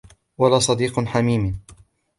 وَلَا صَدِيقٍ حَمِيمٍ